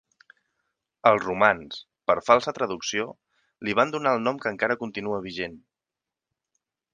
Els romans, per falsa traducció, li van donar el nom que encara continua vigent.